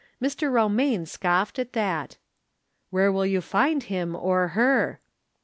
Mr. Romaine scoffed at that. " Where will you find him, or her